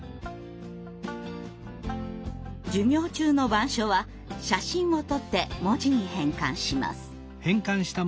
授業中の板書は写真を撮って文字に変換します。